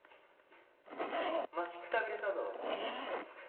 待ちくたびれたぞ。